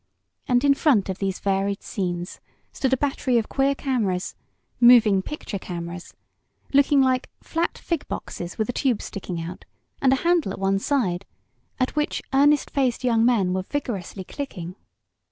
And in front of these varied scenes stood a battery of queer cameras moving picture cameras, looking like flat fig boxes with a tube sticking out, and a handle on one side, at which earnest faced young men were vigorously clicking.